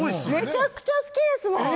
めちゃくちゃ好きですもん。